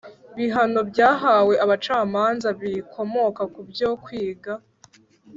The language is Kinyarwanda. bihano byahawe abacamanza bikomoka ku byo kwiga